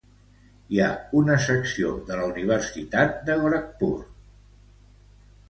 Hi ha una secció de la universitat de Gorakhpur.